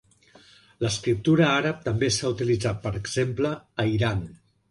L'escriptura àrab també s'ha utilitzat, per exemple, a Iran.